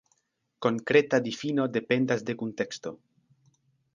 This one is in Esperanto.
Konkreta difino dependas de kunteksto.